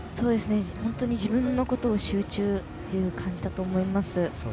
本当に自分のことを集中という感じだと思います。